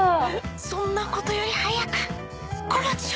そんなことより早く小鉢を！